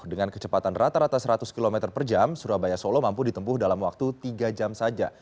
dengan kecepatan rata rata seratus km per jam surabaya solo mampu ditempuh dalam waktu tiga jam saja